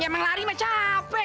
emang lari mah capek